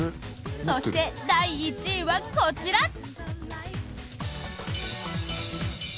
そして、第１位はこちら！